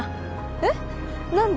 えっ何で？